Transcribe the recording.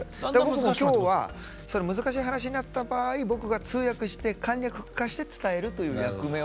今日は難しい話になった場合僕が通訳して簡略化して伝えるという役目を。